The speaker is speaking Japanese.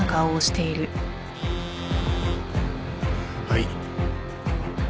はい。